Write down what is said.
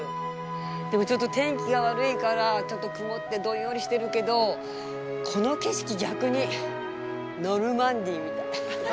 でも、ちょっと天気が悪いからちょっと曇って、どんよりしてるけどこの景色、逆にノルマンディーみたい。